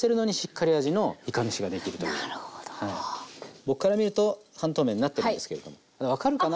僕から見ると半透明になってるんですけれども分かるかな？